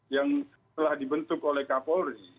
yang telah dibentuk oleh k polri